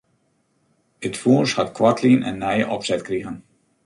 It fûns hat koartlyn in nije opset krigen.